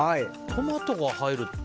トマトが入るって。